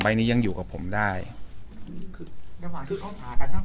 ใบนี้ยังอยู่กับผมได้คือในระหว่างที่เขาผ่ากันทั้ง